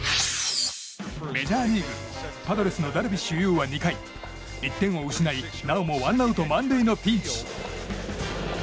メジャーリーグパドレスのダルビッシュ有は２回１点を失い、なおもワンアウト満塁のピンチ。